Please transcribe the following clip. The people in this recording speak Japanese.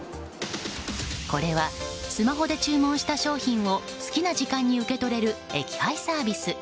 これはスマホで注文した商品を好きな時間に受け取れる駅配サービス